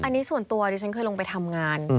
อันนี้ส่วนตัวดิฉันเคยลงไปทำงาน